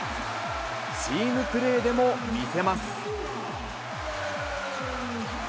チームプレーでも見せます。